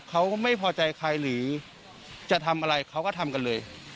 เขาไม่พอใจใครหรือจะทำอะไรเขาก็ทำกันเลย